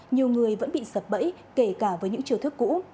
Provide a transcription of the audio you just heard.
nhiều người vẫn bị sập bẫy kể cả với những chiều thức cũ